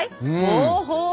ほうほう。